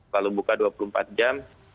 lalu buka dua puluh empat jam